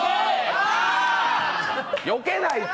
よけないと！